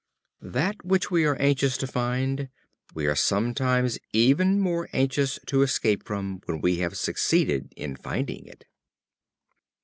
That which we are anxious to find, we are sometimes even more anxious to escape from, when we have succeeded in finding it.